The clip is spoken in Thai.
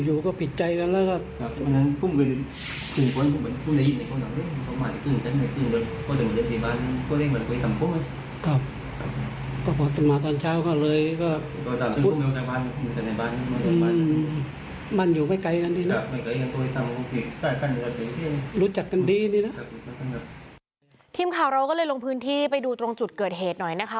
ทีมข่าวเราก็เลยลงพื้นที่ไปดูตรงจุดเกิดเหตุหน่อยนะคะ